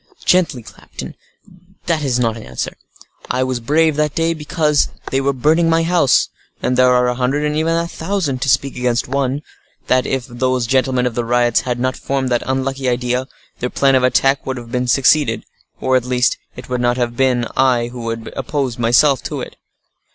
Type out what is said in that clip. "Gently, captain, that is not an answer. I was brave that day, because they were burning my house, and there are a hundred, and even a thousand, to speak against one, that if those gentlemen of the riots had not formed that unlucky idea, their plan of attack would have succeeded, or, at least, it would not have been I who would have opposed myself to it.